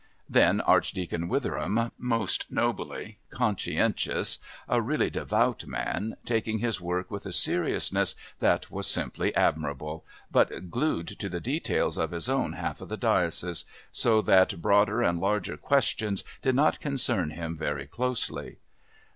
Then Archdeacon Witheram, most nobly conscientious, a really devout man, taking his work with a seriousness that was simply admirable, but glued to the details of his own half of the diocese, so that broader and larger questions did not concern him very closely.